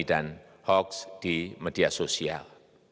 dan hoaks di media sosial